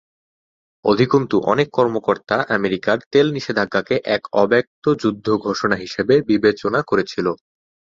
অধিকন্তু, অনেক কর্মকর্তা আমেরিকার তেল নিষেধাজ্ঞাকে এক অব্যক্ত যুদ্ধ ঘোষণা হিসেবে বিবেচনা করেছিল।